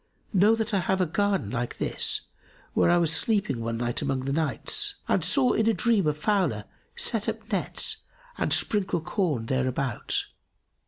Know that I have a garden like this, where I was sleeping one night among the nights and saw in a dream a fowler set up nets and sprinkle corn thereabout.